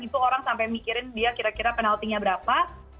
itu orang sampai mikirin dia kira kira penaltinya berapa